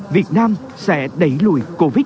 việt nam sẽ đẩy lùi covid một mươi chín